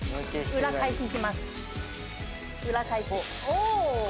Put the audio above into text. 裏返し。